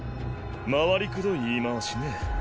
回りくどい言い回しね。